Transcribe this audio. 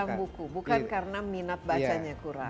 bukan buku bukan karena minat bacanya kurang